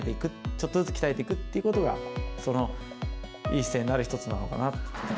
ちょっとずつ鍛えていくということが、そのいい姿勢になる一つなのかなって。